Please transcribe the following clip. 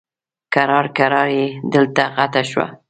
کرار کرار یې ډله غټه شوه.